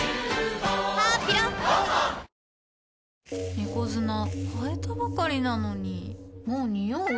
猫砂替えたばかりなのにもうニオう？